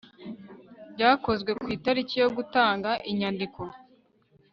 ryakozwe ku itariki yo gutanga inyandiko